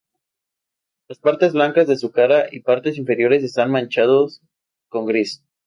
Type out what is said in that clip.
Las partes blancas de su cara y partes inferiores están manchados con gris.